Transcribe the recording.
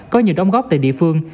có nhiều đóng góp tại địa phương